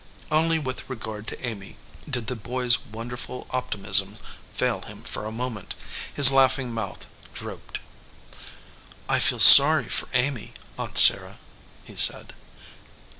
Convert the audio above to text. Only with regard to Amy did the boy s wonderful opti mism fail him for a moment. His laughing mouth drooped. "I feel sorry for Amy, Aunt Sarah," he said.